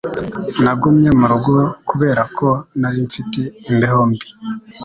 Nagumye mu rugo kubera ko nari mfite imbeho mbi.